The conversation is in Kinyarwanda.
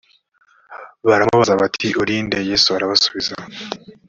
baramubaza bati uri nde yesu arabasubiza